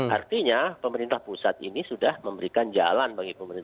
artinya pemerintah pusat ini sudah memberikan jalan bagi pemerintah